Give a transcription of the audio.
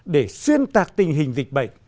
để xuyên tạc tình hình dịch bệnh